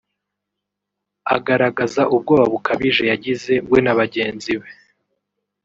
agaragaza ubwoba bukabije yagize we na bagenzi be